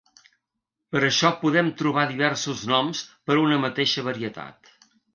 Per això podem trobar diversos noms per a una mateixa varietat.